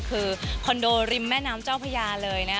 คือคอนโดริมแม่น้ำเจ้าพญาเลยนะ